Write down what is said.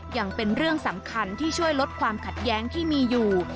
ยังเป็นเรื่องสำคัญที่ช่วยลดความขัดแย้งที่มีอยู่